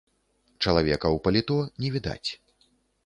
Чалавека ў паліто не відаць.